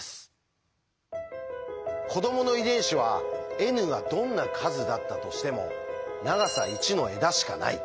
子どもの遺伝子はｎがどんな数だったとしても長さ１の枝しかない。